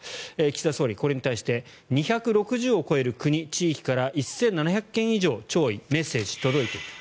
岸田総理、これに対して２６０を超える国、地域から１７００件以上弔意、メッセージが届いている。